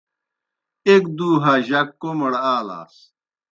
ایْک دُوْ ہَا جک کوْمڑ آلاس۔